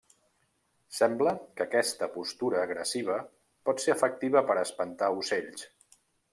Sembla que aquesta postura agressiva pot ser efectiva per a espantar ocells.